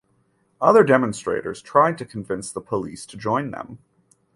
Other demonstrators tried to convince the police to join them.